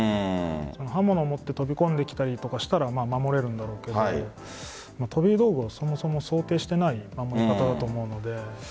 刃物を持って飛び込んできたりとかしたら守れるんだろうけど飛び道具をそもそも想定してない守り方だと思うので。